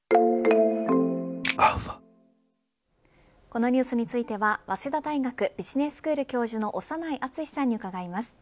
このニュースについては早稲田大学ビジネススクール教授の長内厚さんに伺います。